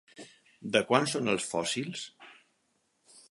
De quan són els fòssils?